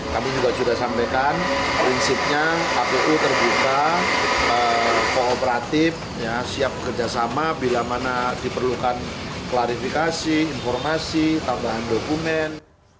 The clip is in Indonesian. kami juga sudah sampaikan prinsipnya kpu terbuka kooperatif siap bekerjasama bila mana diperlukan klarifikasi informasi tambahan dokumen